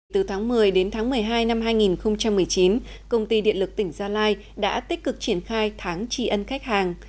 từ tháng một mươi đến tháng một mươi hai năm hai nghìn một mươi chín công ty điện lực tỉnh gia lai đã tích cực triển khai tháng tri ân khách hàng